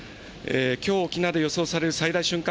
きょう沖縄で予想される最大瞬間